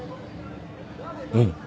うん。